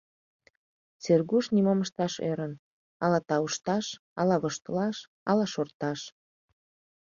Сергуш нимом ышташ ӧрын: ала таушташ, ала воштылаш, ала шорташ.